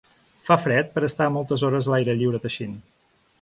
Fa fred per estar moltes hores a l’aire lliure teixint.